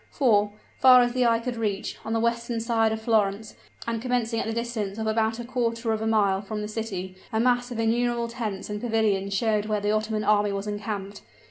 For, far as the eye could reach, on the western side of Florence, and commencing at the distance of about a quarter of a mile from the city, a mass of innumerable tents and pavilions showed where the Ottoman army was encamped!